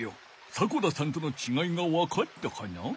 迫田さんとのちがいがわかったかな？